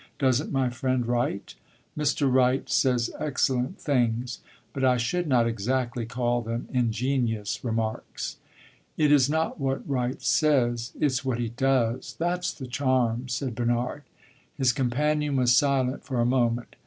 Does n't my friend Wright?" "Mr. Wright says excellent things, but I should not exactly call them ingenious remarks." "It is not what Wright says; it 's what he does. That 's the charm!" said Bernard. His companion was silent for a moment.